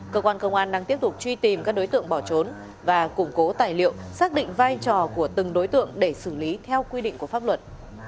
cơ quan công an đang tiếp tục truy tìm các đối tượng bỏ trốn và củng cố tài liệu xác định vai trò của từng đối tượng để xử lý theo quy định của pháp luật